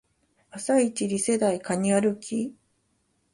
朝イチリセ台カニ歩き